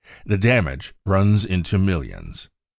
The damage runs into millions.